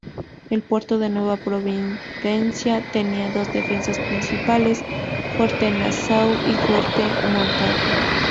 El puerto de Nueva Providencia tenía dos defensas principales, Fuerte Nassau y Fuerte Montagu.